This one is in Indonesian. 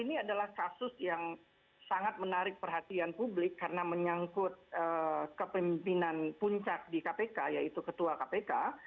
ini adalah kasus yang sangat menarik perhatian publik karena menyangkut kepemimpinan puncak di kpk yaitu ketua kpk